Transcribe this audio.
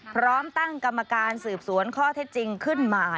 พร้อมตั้งกรรมการสืบสวนข้อเท็จจริงขึ้นมา